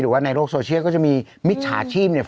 ว่าในโลกโซเชียลก็จะมีมิจฉาชีพเนี่ย